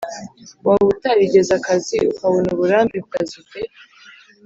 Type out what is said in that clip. waba utarigeze akazi, ukabona uburambe ku kazi ute?